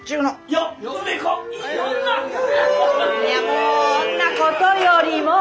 もうんなことよりも！